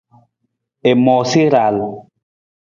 I moosa i raal.